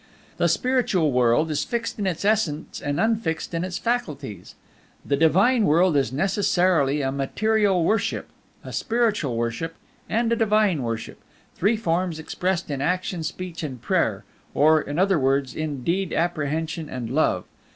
The Spiritual world is fixed in its essence and unfixed in its faculties. The Divine world is necessarily a Material worship, a Spiritual worship, and a Divine worship: three forms expressed in action, speech, and prayer, or, in other words, in deed, apprehension, and love.